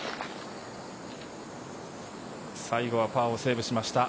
最後はパーをセーブしました。